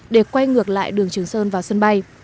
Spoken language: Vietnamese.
để quay ngược lại đường trường sơn vào sân bay